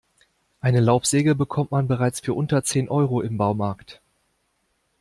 Eine Laubsäge bekommt man bereits für unter zehn Euro im Baumarkt.